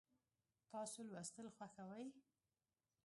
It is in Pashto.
تاسو لوستل خوښوئ؟